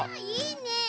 あいいね！